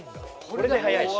これで速いし。